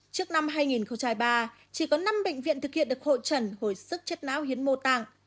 trước năm hai nghìn ba chỉ có năm bệnh viện thực hiện được hội trần hồi sức chết náo hiến mô tạng